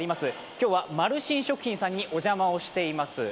今日は丸真食品さんにお邪魔をしています。